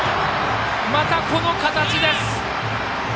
またこの形です。